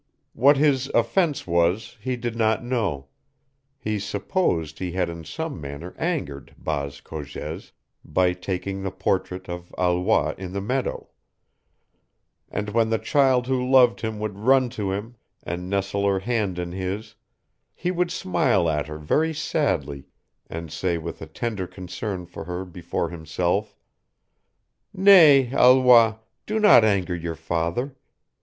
What his offence was he did not know: he supposed he had in some manner angered Baas Cogez by taking the portrait of Alois in the meadow; and when the child who loved him would run to him and nestle her hand in his, he would smile at her very sadly and say with a tender concern for her before himself, "Nay, Alois, do not anger your father.